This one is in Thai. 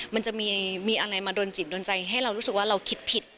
มันจะมีอะไรมาโดนจิตโดนใจให้เรารู้สึกว่าเราคิดผิด